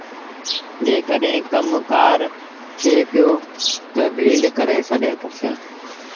جيڪڏهين ڪم ڪآر ٿئي پيٚو تا ڀيٚل ڪري سڏ ڪرسيٚݩ